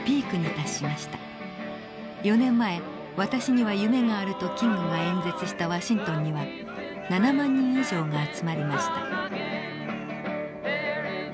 ４年前「私には夢がある」とキングが演説したワシントンには７万人以上が集まりました。